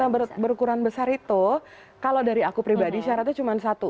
yang berukuran besar itu kalau dari aku pribadi syaratnya cuma satu